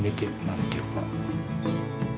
何て言うか。